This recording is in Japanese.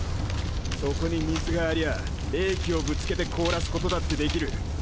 そこに水がありゃ冷気をぶつけて凍らすことだってできる。